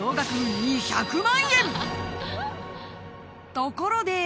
［ところで］